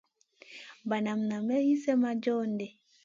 Banan naam lì slèh ma john ɗi.